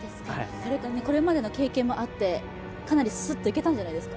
これまでの経験もあって、かなりスッといけたんじゃないですか？